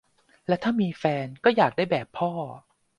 และถ้าจะมีแฟน ก็อยากได้แบบพ่อ